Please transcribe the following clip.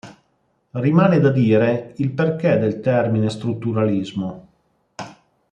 Rimane da dire il perché del termine strutturalismo.